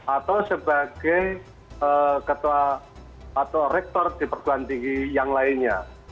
atau sebagai ketua atau rektor di perguruan tinggi yang lainnya